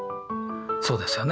そうですよね。